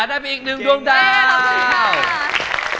ได้ไปอีกหนึ่งดวงดาว